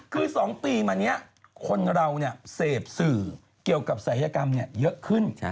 คือ๒ปีมานี้คนเราเสพสื่อเกี่ยวกับศัยกรรมเยอะขึ้น